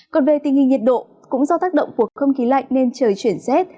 còn về tình hình nhiệt độ cũng do tác động của không khí lạnh nên trời chuyển rét